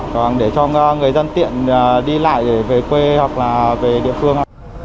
còn để cho người dân tiện đi lại để về quê hoặc là về địa phương